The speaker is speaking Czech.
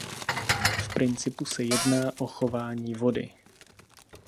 V principu se jedná o chování vody.